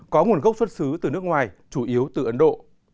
có nguồn gốc xuất xứ từ nước ngoài chủ yếu từ ấn độ